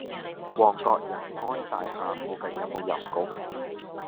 旺角仁安大廈附近有無郵局？